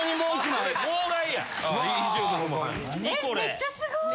めっちゃすごい！